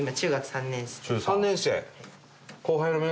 ３年生。